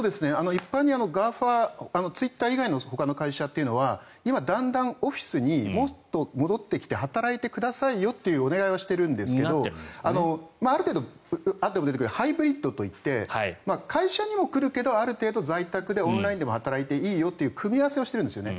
一般にＧＡＦＡツイッター以外のほかの会社はだんだんオフィスに戻ってきて働いてくださいよというお願いをしているんですがある程度、あとでも出てくるハイブリッドといって会社にも出てくるけどある程度、在宅でもオンラインでも働いていいよという組み合わせをしているんですね。